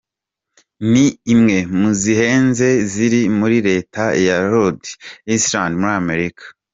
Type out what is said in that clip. ni imwe mu zihenze ziri muri Reta ya Rhode Island muri Amerika.